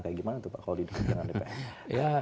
kayak gimana tuh pak kalau di dekat dengan dpr